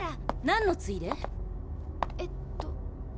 なんのついで？えっと。